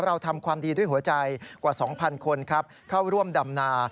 เราทำความดีด้วยหัวใจกว่า๒๐๐คนครับเข้าร่วมดำนา